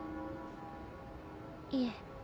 いえ。